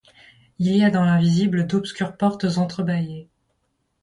Il y a dans l’invisible d’obscures portes entre-bâillées.